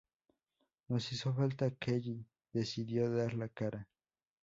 No hizo falta: Kelly decidió dar la cara.